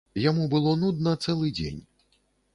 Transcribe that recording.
Яму было нудна цэлы дзень.